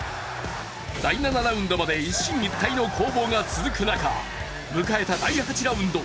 第７ラウンドまで一進一退の攻防が続く中、迎えた第８ラウンド。